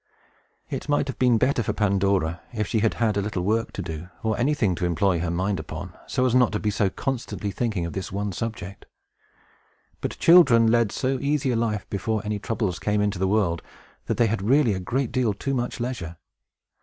It might have been better for Pandora if she had had a little work to do, or anything to employ her mind upon, so as not to be so constantly thinking of this one subject. But children led so easy a life, before any Troubles came into the world, that they had really a great deal too much leisure.